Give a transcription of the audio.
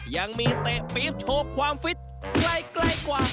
ยังมีเตะปี๊บโชคความฟิตใกล้กว่า